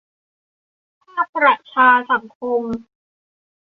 ภาคประชาสังคม